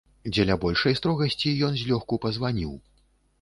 Дзеля большай строгасці ён злёгку пазваніў.